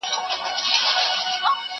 زه به سبا د لوبو لپاره وخت نيسم وم!؟